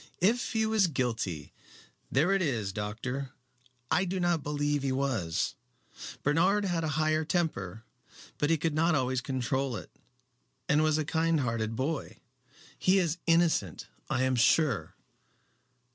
"If he was guilty. There it is, doctor. I do not believe he was. Bernard had a high temper, but he could not always control it, and was a kind hearted boy. He is innocent I am sure."